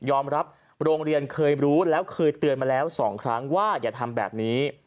รับโรงเรียนเคยรู้แล้วเคยเตือนมาแล้ว๒ครั้งว่าอย่าทำแบบนี้